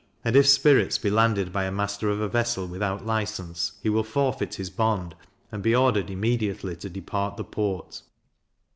And if spirits be landed by a master of a vessel without license, he will forfeit his bond, and be ordered immediately to depart the port.